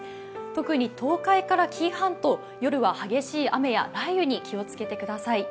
特に東海から紀伊半島、夜は激しい雨や雷雨に気をつけてください。